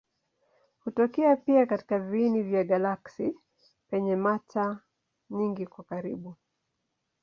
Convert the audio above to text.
Hutokea pia katika viini vya galaksi penye mata nyingi kwa karibu.